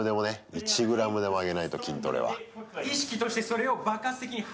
１ｇでも上げないと、筋トレは。